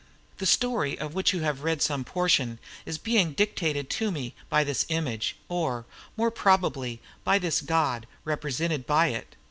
The story of which you have read some portion is being dictated to me by this image, or, more probably, by this god represented by it.